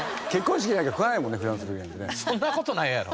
そんな事ないやろ。